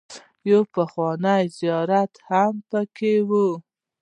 يو پخوانی زيارت هم پکې و.